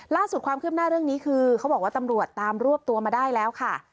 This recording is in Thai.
ความคืบหน้าเรื่องนี้คือเขาบอกว่าตำรวจตามรวบตัวมาได้แล้วค่ะ